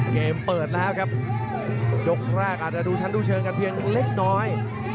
เกมเปิดแล้วครับยกแรกอาจจะดูชั้นดูเชิงกันเพียงเล็กน้อย